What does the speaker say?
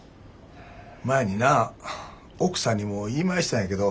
前にな奥さんにも言いましたんやけど。